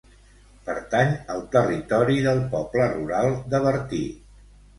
Pertany al territori del poble rural de Bertí.